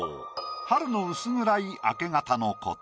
春の薄暗い明け方のこと。